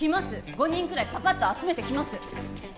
５人くらいパパッと集めてきます